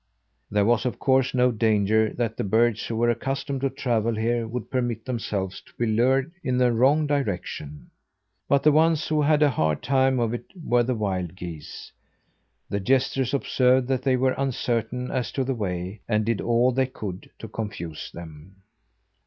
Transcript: There was, of course, no danger that the birds who were accustomed to travel here would permit themselves to be lured in a wrong direction. But the ones who had a hard time of it were the wild geese. The jesters observed that they were uncertain as to the way, and did all they could to confuse them.